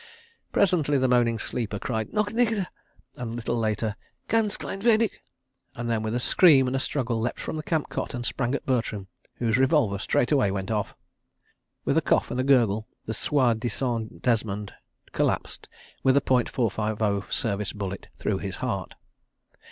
Presently the moaning sleeper cried "Noch nichte!" and a little later "Ganz klein wenig!"—and then with a scream and a struggle, leapt from the camp cot and sprang at Bertram, whose revolver straightway went off. With a cough and a gurgle the soi disant Desmont collapsed with a ·450 service bullet through his heart.